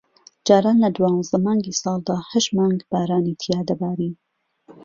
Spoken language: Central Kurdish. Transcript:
جاران لە دوانزە مانگی ساڵدا ھەشت مانگ بارانی تیا دەباری